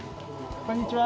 こんにちは。